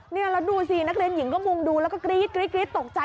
นี่แล้วดูสินักเรียนหญิงก็มุงดูแล้วก็กรี๊ดตกใจ